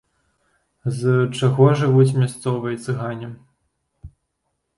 З чаго жывуць мясцовыя цыгане?